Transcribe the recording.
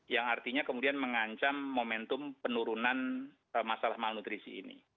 yang artinya kemudian mengancam momentum penurunan masalah malnutrisi ini